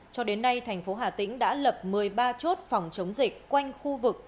cho đến nay thành phố hà tĩnh đã lập một mươi ba chốt phòng chống dịch quanh khu vực